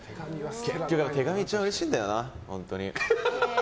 結局、手紙が一番うれしいんだよな。